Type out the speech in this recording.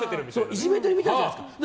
いじめてるみたいじゃないですか。